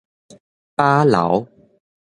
飽流